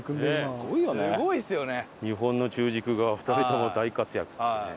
すごいっすよね。